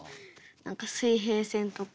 何か「水平線」とか。